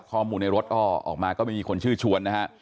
ข้อมูลในรถก็ออกมาก็ไม่มีคนชื่อชวนนะฮะ